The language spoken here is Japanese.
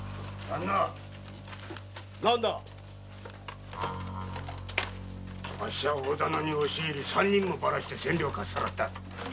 あっしは大店に押し入り三人もバらして千両かっさらった。